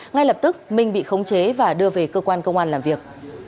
ngay lập tức minh bị khống chế và đưa về cơ quan công an làm việc